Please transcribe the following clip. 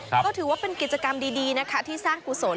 ก็ถือว่าเป็นกิจกรรมดีนะคะที่สร้างกุศล